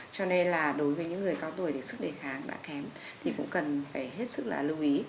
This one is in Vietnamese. cho nên là đối với những người cao tuổi thì sức đề kháng đã kém thì cũng cần phải hết sức là lưu ý